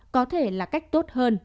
có thể là cách tốt hơn